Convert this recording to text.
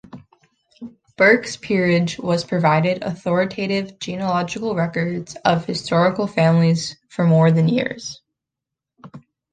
Burke's Peerage has provided authoritative genealogical records of historical families for more than years.